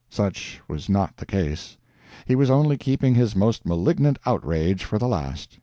Such was not the case. He was only keeping his most malignant outrage for the last.